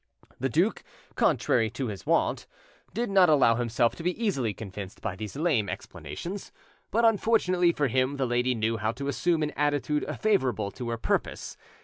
The duke, contrary to his wont, did not allow himself to be easily convinced by these lame explanations, but unfortunately for him the lady knew how to assume an attitude favourable to her purpose.